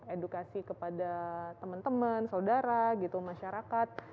edukasi kepada teman teman saudara gitu masyarakat